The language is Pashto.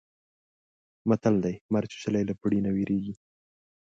متل دی: مار چیچلی له پړي نه وېرېږي.